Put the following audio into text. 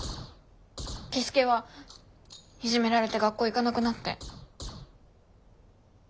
樹介はいじめられて学校行かなくなって。